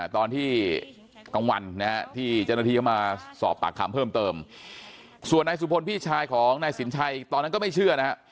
ตอนที่กลางวันนะฮะที่เจ้าหน้าที่เข้ามาสอบปากคำเพิ่มเติมส่วนนายสุพลพี่ชายของนายสินชัยตอนนั้นก็ไม่เชื่อนะฮะ